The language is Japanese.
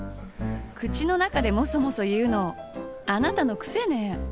口の中でモソモソ言うのあなたの癖ネ。